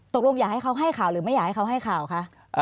อยากให้เขาให้ข่าวหรือไม่อยากให้เขาให้ข่าวคะ